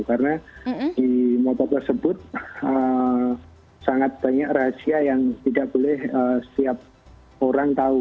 karena di motor tersebut sangat banyak rahasia yang tidak boleh setiap orang tahu